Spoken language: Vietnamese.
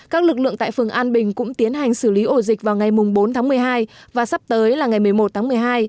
các lực lượng tại phường an bình cũng tiến hành xử lý ổ dịch vào ngày bốn tháng một mươi hai và sắp tới là ngày một mươi một tháng một mươi hai